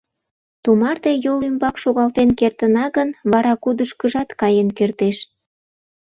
Тумарте йол ӱмбак шогалтен кертына гын, вара кудышкыжат каен кертеш.